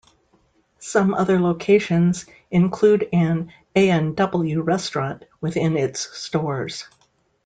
Some other locations include an A and W restaurant within its stores.